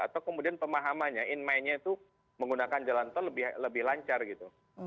atau kemudian pemahamannya in mind nya itu menggunakan jalan tol lebih lancar gitu